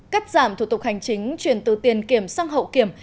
cắt giảm thủ tục hành chính chuyển từ tiền kiểm sang hậu kiểm